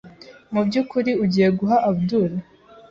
Mubyukuri ugiye guha Abdul?